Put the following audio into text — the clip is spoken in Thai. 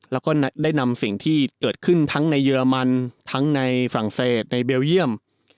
แล้วก็ได้นำสิ่งที่เกิดขึ้นทั้งในเยอรมันทั้งในฝรั่งเศสในเบลเยี่ยม